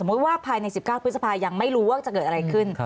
ว่าภายใน๑๙พฤษภายังไม่รู้ว่าจะเกิดอะไรขึ้น